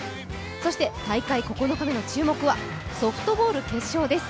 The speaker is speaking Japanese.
そして大会９日目の注目はソフトボール決勝です。